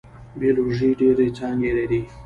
بیولوژي ډیرې څانګې لري